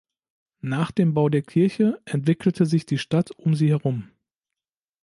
Nach dem Bau der Kirche entwickelte sich die Stadt um sie herum.